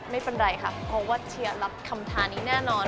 ไม่เป็นไรค่ะเพราะว่าเชียร์รับคำทานี้แน่นอน